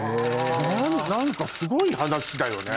何かすごい話だよね。